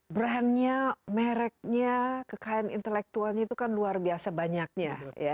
brand nya merek nya kekayaan intelektualnya itu kan luar biasa banyaknya